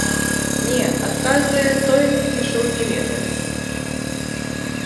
Не, адказвае, той нічога не ведае.